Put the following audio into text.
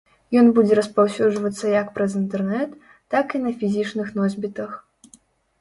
Ён будзе распаўсюджвацца як праз інтэрнэт, так і на фізічных носьбітах.